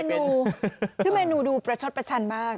คือเมนูดูประชดประชันบ้าง